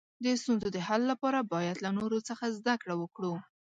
د ستونزو د حل لپاره باید له نورو څخه زده کړه وکړو.